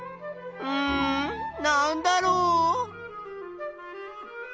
うんなんだろう？